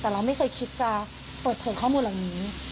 แต่เราไม่เคยคิดจะเปิดเผยข้อมูลเหล่านี้